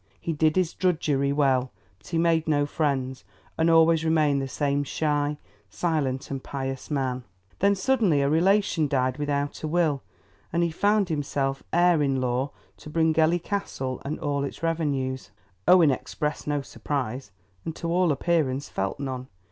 He did his drudgery well; but he made no friends, and always remained the same shy, silent, and pious man. Then suddenly a relation died without a will, and he found himself heir in law to Bryngelly Castle and all its revenues. Owen expressed no surprise, and to all appearance felt none.